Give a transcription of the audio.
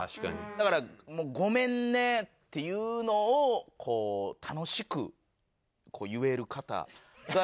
だから「ごめんね」っていうのを楽しく言える方が大事なのかなっていう。